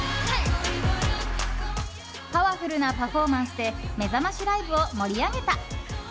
パワフルなパフォーマンスでめざましライブを盛り上げた。